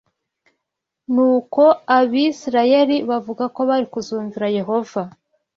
Nuko Abisirayeli bavuga ko bari kuzumvira Yehova